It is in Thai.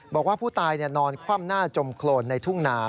บอกว่าผู้ตายนอนคว่ำหน้าจมโครนในทุ่งนา